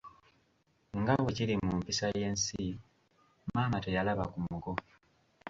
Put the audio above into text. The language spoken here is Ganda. Nga bwe kiri mu mpisa y'ensi, maama teyalaba ku muko.